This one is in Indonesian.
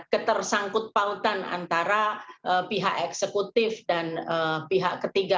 ketersangkut pautan antara pihak eksekutif dan pihak ketiga